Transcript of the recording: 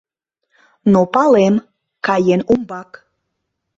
Но палем, каен умбак.